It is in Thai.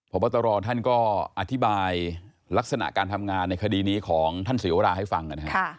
พบตรท่านก็อธิบายลักษณะการทำงานในคดีนี้ของท่านศิวราให้ฟังนะครับ